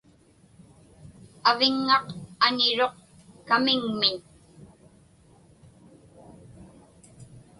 Aviŋŋaq aniruq kamiŋmiñ.